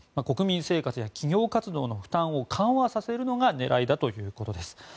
国民生活や企業活動の負担を緩和させるのが狙いだということです。